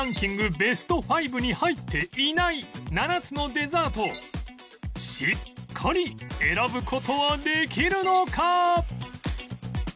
ベスト５に入っていない７つのデザートをしっかり選ぶ事はできるのか？